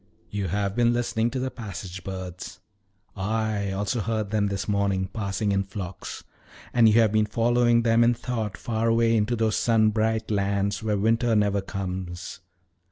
You have been listening to the passage birds. I also heard them this morning passing in flocks. And you have been following them in thought far away into those sun bright lands where winter never comes."